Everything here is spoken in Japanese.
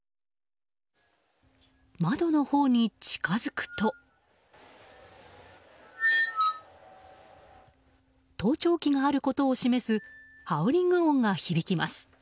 窓のほうに近づくと盗聴器があることを示すハウリング音が響きます。